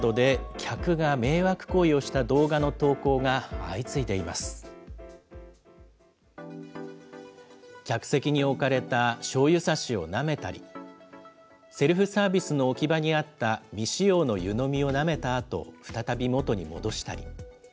客席に置かれたしょうゆさしをなめたり、セルフサービスの置き場にあった未使用の湯飲みをなめたあと、再び元に戻したり。